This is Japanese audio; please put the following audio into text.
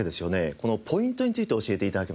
このポイントについて教えて頂けますか？